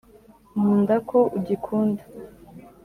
nkunda ko ugikunda